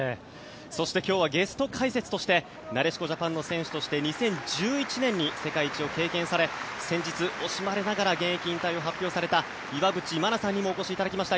そして今日はゲスト解説としてなでしこジャパンの選手として２０１１年に世界一を経験され先日、惜しまれながら現役引退を発表した岩渕真奈さんにもお越しいただきました。